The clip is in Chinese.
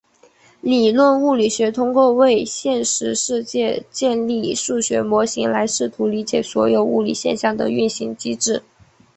理论物理学通过为现实世界建立数学模型来试图理解所有物理现象的运行机制。